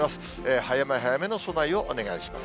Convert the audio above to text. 早め早めの備えをお願いします。